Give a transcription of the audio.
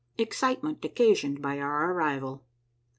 — EXCITEMENT OCCASIONED BY OUR ARRIVAL.